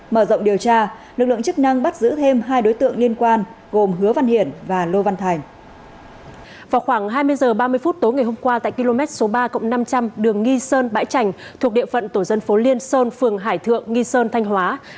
mở rộng điều tra lực lượng chức năng bắt giữ thêm hai đối tượng liên quan gồm hứa văn hiển và lô văn thành